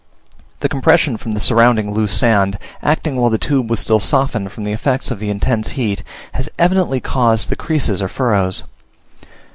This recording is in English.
The compression from the surrounding loose sand, acting while the tube was still softened from the effects of the intense heat, has evidently caused the creases or furrows.